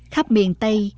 khắp miền tây